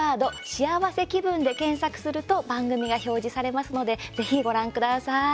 「しあわせ気分」で検索すると番組が表示されますのでぜひご覧ください。